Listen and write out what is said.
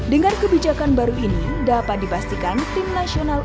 dengan kebijakan baru ini dapat dipastikan timnasional